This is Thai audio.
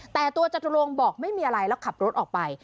แต่ตัวจตุรงค์บอกไม่มีอะไรแล้วขับรถออกไป